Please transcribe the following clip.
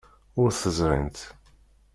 Ur t-ẓrint.